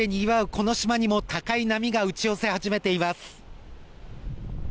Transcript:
この島にも高い波が打ち寄せ始めています。